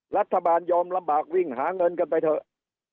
รัฐบาลยอมลำบากวิ่งหาเงินกันไปเถอะ